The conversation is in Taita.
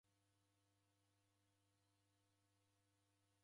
W'engilwa ni kiture.